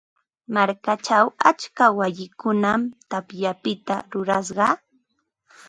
Markachaw atska wayikunam tapyapita rurashqa.